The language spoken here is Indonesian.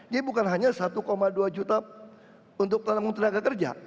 jadi bukan hanya satu dua juta untuk pelanggung tenaga kerja